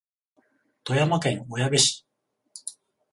富山県小矢部市